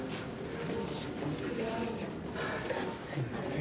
すいません。